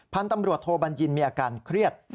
พันธุ์ตำรวจโทบัญญินมีอาการเครียด